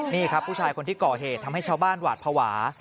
นี่ครับผู้ชายคนที่ก่อเหตุทำให้ชาวบ้านหวาดภาวะ